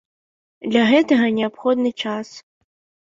Для гэтага неабходны час.